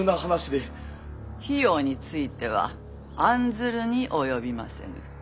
費用については案ずるに及びませぬ。